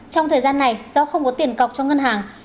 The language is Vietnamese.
trong thời gian này do không có tiền cọc cho ngân hàng